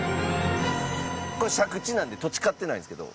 これ借地なんで土地買ってないんですけど。